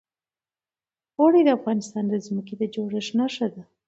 اوړي د افغانستان د ځمکې د جوړښت نښه ده.